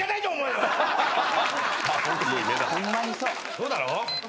そうだろ？